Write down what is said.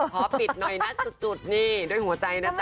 ขอปิดหน่อยนะจุดนี่ด้วยหัวใจนะจ๊